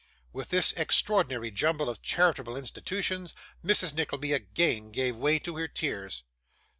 With this extraordinary jumble of charitable institutions, Mrs. Nickleby again gave way to her tears.